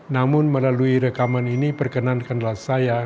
namun melalui rekaman ini perkenankanlah saya